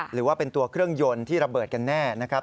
หรือว่าเป็นตัวเครื่องยนต์ที่ระเบิดกันแน่นะครับ